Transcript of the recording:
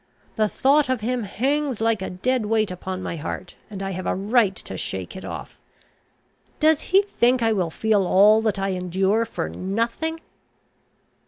The thought of him hangs like a dead weight upon my heart, and I have a right to shake it off. Does he think I will feel all that I endure for nothing?"